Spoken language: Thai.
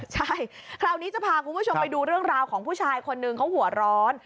ใช่คราวนี้จะพาคุณผู้ชมไปดูเรื่องราวของผู้ชายคนนึงเขาหัวร้อน